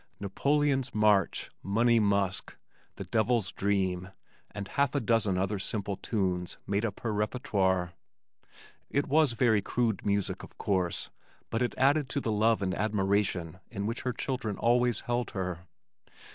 Napoleon's March, Money Musk, The Devil's Dream and half a dozen other simple tunes made up her repertoire. It was very crude music of course but it added to the love and admiration in which her children always held her.